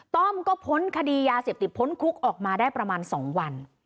ต้อมก็พ้นคดียาเสพติดพ้นคุกออกมาได้ประมาณ๒วัน